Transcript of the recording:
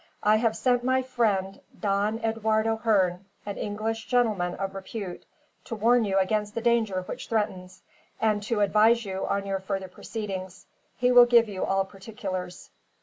I have sent my friend Don Eduardo Hearne, an English gentleman of repute, to warn you against the danger which threatens, and to advise you on your further proceedings. He will give you all particulars."